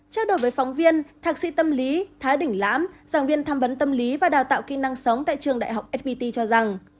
trao đổi với phóng viên thạc sĩ tâm lý thái đỉnh lãm giảng viên thăm vấn tâm lý và đào tạo kỹ năng sống tại trường đại học fpt cho rằng